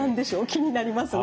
気になりますね。